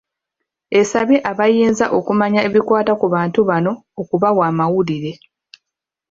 Esabye abayinza okumanya ebikwata ku bantu bano okubawa amawulire.